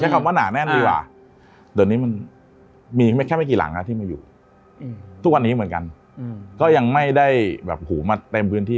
ก็พิเศษแค่บ้านเลยนะตอนนี้ใหญ่น้ำมากเลย